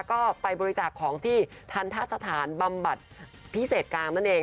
ก็ไปบริจาคของที่ท้านทะสถานบำบัดพิเศษกลาง